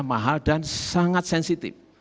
mahal dan sangat sensitif